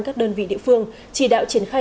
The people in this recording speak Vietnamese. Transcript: các đơn vị địa phương chỉ đạo triển khai